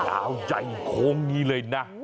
อ้าวใจโค้งงี้เลยนะ